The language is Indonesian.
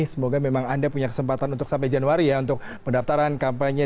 semoga memang anda punya kesempatan untuk sampai januari ya untuk pendaftaran kampanye